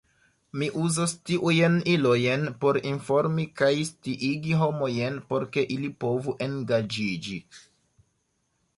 Mi uzos tiujn ilojn por informi kaj sciigi homojn por ke ili povu engaĝiĝi.